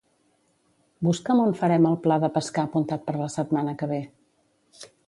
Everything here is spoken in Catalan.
Busca'm on farem el pla de pescar apuntat per la setmana que ve.